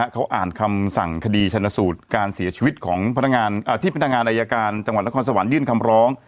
เขาอ่านคำสั่งคดีชนสูตรการเสียชีวิตของพนักงานที่พนักงานอายการจังหวัดนครสวรรค์ยื่นคำร้อง